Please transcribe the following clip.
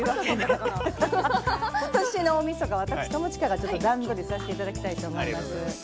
今年の大みそかは私、友近が段取りさせていただこうと思います。